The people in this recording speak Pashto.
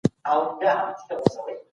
بهرنی سیاست د سولي او ثبات بنسټ دی.